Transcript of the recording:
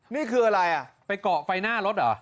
นี่คืออะไรอ่ะไปเกาะไฟหน้ารถเหรอ